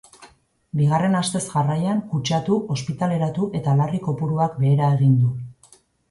Bigarren astez jarraian, kutsatu, ospitaleratu eta larri kopuruak behera egin du.